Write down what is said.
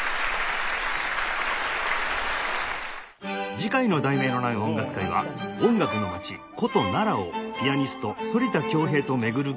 次回の『題名のない音楽会』は「音楽の街・古都奈良をピアニスト反田恭平と巡る休日」